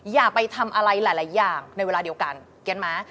อย่าไปทำอะไรหลายอย่างในเวลาเดียวกันไหม